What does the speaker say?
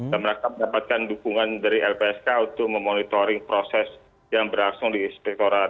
dan mereka mendapatkan dukungan dari lpsk untuk memonitoring proses yang berlangsung di spek korat